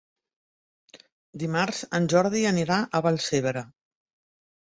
Dimarts en Jordi anirà a Vallcebre.